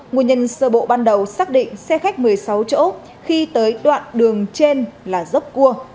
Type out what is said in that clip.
nguồn nhân sơ bộ ban đầu xác định xe khách một mươi sáu chỗ khi tới đoạn đường trên là dốc cua